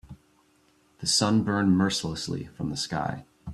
The sun burned mercilessly from the sky.